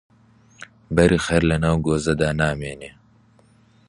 بەرخ هەر لەناو کۆزەدا نامێنێ